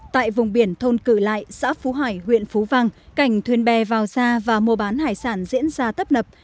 tại vùng biển thôn cử lại xã phú hải huyện phú vang cảnh thuyền bè vào xa và mua bán hải sản diễn ra tấp nập